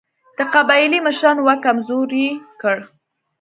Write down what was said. د قبایلي مشرانو واک کمزوری کړ.